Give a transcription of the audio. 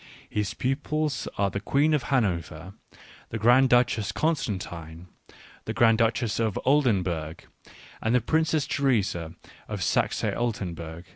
His pupils are the Queen of Hanover, the Grand Duchess Constantine, the Grand Duchess of Oldenburg, and the Princess Theresa of Saxe Altenburg.